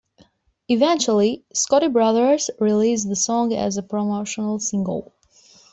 Eventually, Scotti Brothers released the song as a promotional single.